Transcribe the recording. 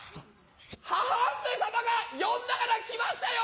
母上さまが呼んだから来ましたよ。